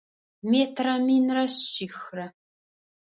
Метрэ минрэ шъихрэ.